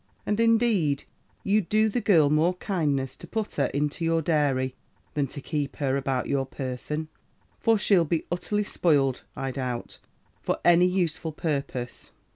And, indeed, you'd do the girl more kindness to put her into your dairy, than to keep her about your person; for she'll be utterly spoiled, I doubt, for any useful purpose.'